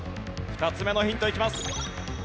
２つ目のヒントいきます。